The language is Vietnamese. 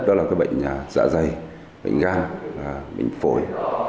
đó là bệnh dạ dày bệnh gan bệnh phổi